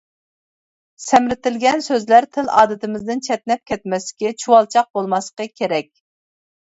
«سەمرىتىلگەن» سۆزلەر تىل ئادىتىمىزدىن چەتنەپ كەتمەسلىكى، چۇۋالچاق بولماسلىقى كېرەك.